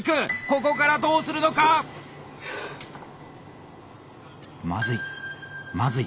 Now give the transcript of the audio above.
ここからどうするのか⁉まずい。